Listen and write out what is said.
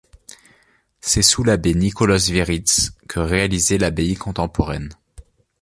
C'est sous l'abbé Nicolaus Wieritz que réalisée l'abbaye contemporaine.